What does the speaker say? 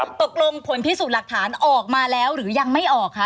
ตกลงผลพิสูจน์หลักฐานออกมาแล้วหรือยังไม่ออกคะ